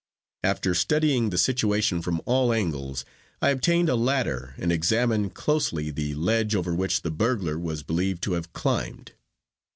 After studying the situation from all angles, I obtained a ladder and examined closely the ledge over which the "burglar" was believed to have climbed.